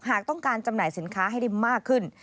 หากต้องการจำหน่ายสินค้าให้ได้มากขึ้น